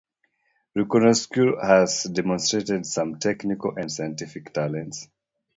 Riconoscuito has demonstrated some technical and scientific talents.